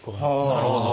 なるほど。